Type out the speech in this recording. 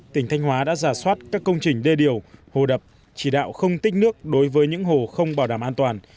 tỉnh thanh hóa đã giả soát các công trình đê điều hồ đập chỉ đạo không tích nước đối với những hồ không bảo đảm an toàn